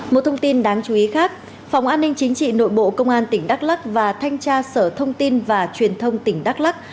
một thông tin đáng chú ý khác phòng an ninh chính trị nội bộ công an tỉnh đắk lắc và thanh tra sở thông tin và truyền thông tỉnh đắk lắc